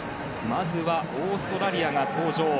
まずはオーストラリアが登場。